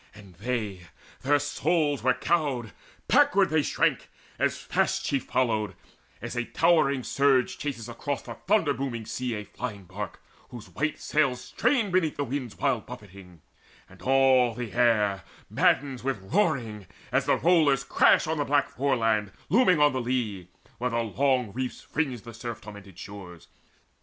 And they, their souls were cowed: backward they shrank, And fast she followed, as a towering surge Chases across the thunder booming sea A flying bark, whose white sails strain beneath The wind's wild buffering, and all the air Maddens with roaring, as the rollers crash On a black foreland looming on the lee Where long reefs fringe the surf tormented shores.